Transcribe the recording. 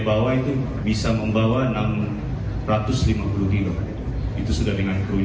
pesawat pengintai milik tni angkatan udara saudara